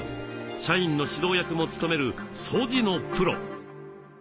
社員の指導役も務める掃除のプロ。